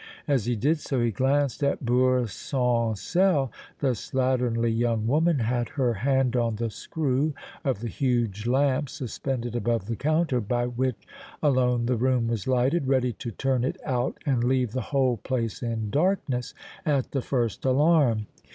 As he did so, he glanced at Beurre Sans Sel. The slatternly young woman had her hand on the screw of the huge lamp suspended above the counter, by which alone the room was lighted, ready to turn it out and leave the whole place in darkness at the first alarm.